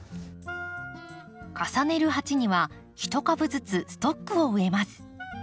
重ねる鉢には一株ずつストックを植えます。